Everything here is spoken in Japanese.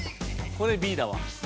これＢだわ。